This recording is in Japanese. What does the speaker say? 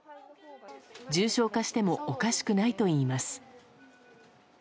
重症化してもおかしくないといいます。